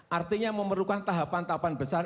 artinya memerlukan tahapan tahapan besar